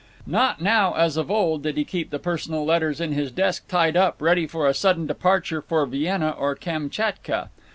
Not now, as of old, did he keep the personal letters in his desk tied up, ready for a sudden departure for Vienna or Kamchatka.